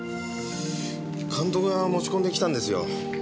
監督が持ち込んできたんですよ。